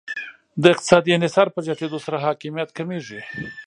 د اقتصادي انحصار په زیاتیدو سره حاکمیت کمیږي